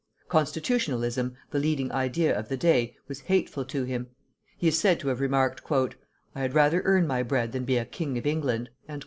Constitutionalism, the leading idea of the day, was hateful to him. He is said to have remarked, "I had rather earn my bread than be a king of England!"